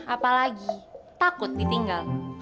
apa lagi takut ditinggal